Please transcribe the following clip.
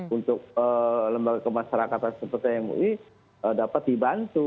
untuk lembaga kemasyarakatan seperti mui dapat dibantu